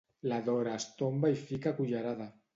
La Dora es tomba i hi fica cullerada.